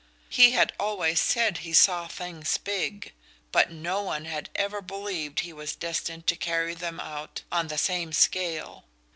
He had always said he "saw things big"; but no one had ever believed he was destined to carry them out on the same scale.